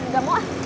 gak mau ah